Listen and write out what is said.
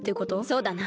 そうだな。